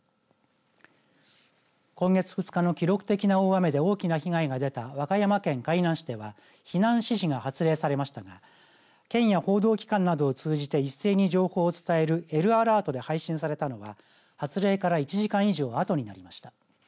今月２日の記録的な大雨で大きな被害が出た和歌山県海南市では避難指示が発令されましたが県や報道機関などを通じて一斉に情報を伝えるＬアラートで配信されたのが発令から１時間以上あとになりました。